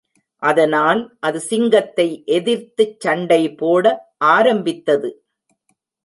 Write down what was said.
அதனால், அது சிங்கத்தை எதிர்த்துச் சண்டைபோட ஆரம்பித்தது.